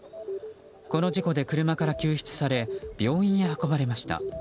この事故で車から救出され病院へ運ばれました。